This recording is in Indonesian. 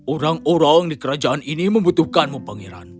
orang orang di kerajaan ini membutuhkanmu pangeran